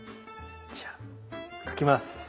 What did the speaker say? じゃあ描きます。